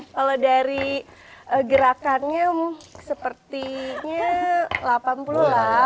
kalau dari gerakannya sepertinya delapan puluh lah boleh lah ya